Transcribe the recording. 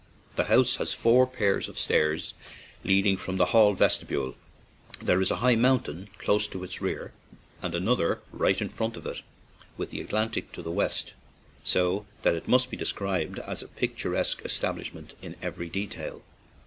The house has four pairs of stairs leading from the hall vestibule; there is a high mountain close to its rear and another right in front of it, with the Atlantic to the west; so that it must be described as a picturesque establishment in every detail.